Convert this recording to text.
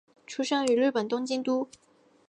出身于日本东京都。